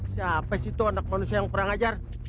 siapa sih itu anak manusia yang pernah ngajar